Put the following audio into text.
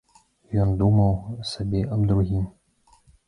Ён думаў сабе аб другім.